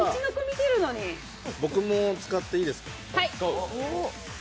じゃあ、僕も使っていいですか？